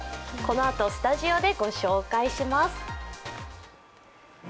このあと、スタジオでご紹介します